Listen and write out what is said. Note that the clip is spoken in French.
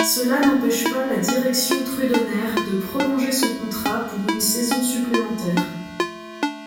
Cela n'empêche pas la direction trudonnaire de prolonger son contrat pour une saison supplémentaire.